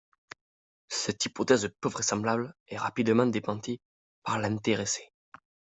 Cette hypothèse peu vraisemblable est rapidement démentie par l'intéressé.